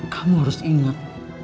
kamu harus ingat